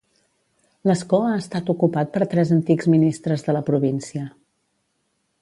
L'escó ha estat ocupat per tres antics ministres de la província.